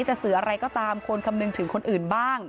จะสื่ออะไรก็ตามควรคำนึงถึงคนอื่นบ้าง